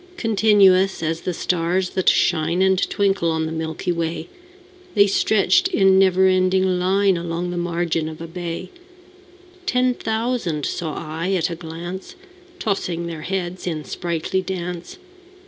Continuous as the stars that shine And twinkle on the milky way, The stretched in never ending line Along the margin of a bay: Ten thousand saw I at a glance, Tossing their heads in sprightly dance.